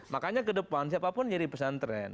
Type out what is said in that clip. makanya kedepan siapapun yang jadi pesantren